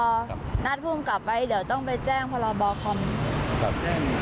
บธนัดพุ่งกลับไปเดี๋ยวต้องไปแจ้งพรบคมครับ